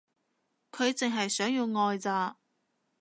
佢淨係想要愛咋